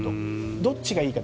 どっちがいいかって。